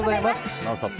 「ノンストップ！」